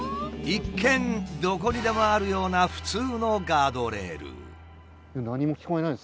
一見どこにでもあるような普通のガードレール。